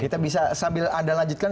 kita bisa sambil anda lanjutkan